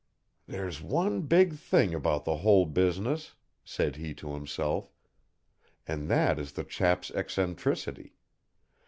"There's one big thing about the whole business," said he to himself, "and that is the chap's eccentricity.